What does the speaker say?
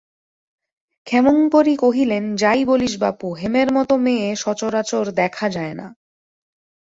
ক্ষেমংকরী কহিলেন, যাই বলিস বাপু, হেমের মতো মেয়ে সচরাচর দেখা যায় না।